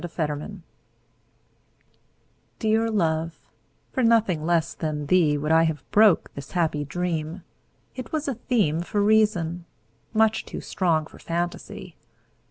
The Dream DEAR love, for nothing less than theeWould I have broke this happy dream; It was a themeFor reason, much too strong for fantasy.